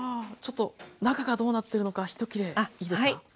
ちょっと中がどうなってるのかひと切れいいですか？